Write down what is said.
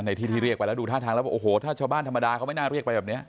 ที่ที่เรียกไปแล้วดูท่าทางแล้วบอกโอ้โหถ้าชาวบ้านธรรมดาเขาไม่น่าเรียกไปแบบนี้